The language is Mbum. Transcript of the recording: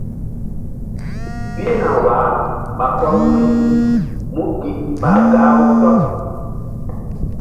Pihna wah ɓa kɔr wuri mú gi ɓa gah-u tɔɓ.